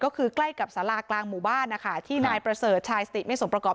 ก็คือใกล้กับสารากลางหมู่บ้านนะคะที่นายประเสริฐชายสติไม่สมประกอบ